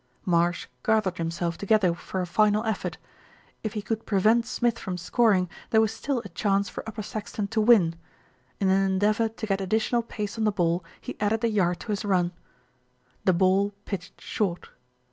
Marsh gathered himself together for a final effort. If he could prevent Smith from scoring, there was still a chance for Upper Saxton to win. In an endeavour to get additional pace on the ball he added a yard to his run. The ball pitched short.